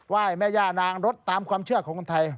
ยแม่ย่านางรถตามความเชื่อของคนไทย